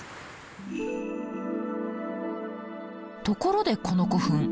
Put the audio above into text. ところでこの古墳